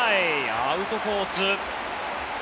アウトコース。